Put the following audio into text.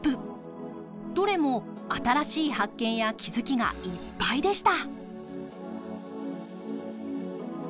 どれも新しい発見や気付きがいっぱいでした。